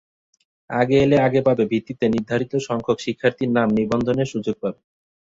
আগে এলে আগে পাবে ভিত্তিতে নির্ধারিতসংখ্যক শিক্ষার্থী নাম নিবন্ধনের সুযোগ পাবে।